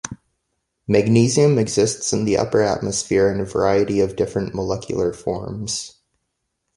Magnesium exists in the upper atmosphere in a variety of different molecular forms.